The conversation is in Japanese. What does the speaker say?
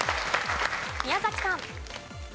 宮崎さん。